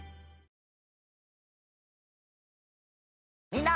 みんな。